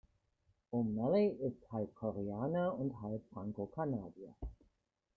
O’Malley ist halb Koreaner und halb Frankokanadier.